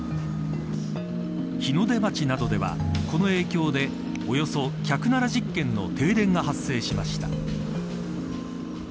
日の出町などでは、この影響でおよそ１７０軒の停電が発生しました。